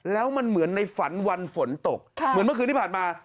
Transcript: แล้วมันเหมือนในฝันวันฝนตกเหมือนเมื่อคืนที่ผ่านมา